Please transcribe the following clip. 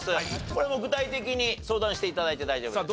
これも具体的に相談して頂いて大丈夫です。